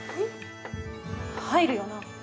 入るよな？